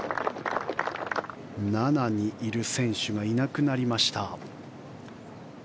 ７にいる選手がいなくなりました。